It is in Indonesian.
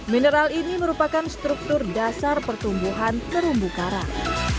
mineral ini merupakan struktur dasar pertumbuhan terumbu karang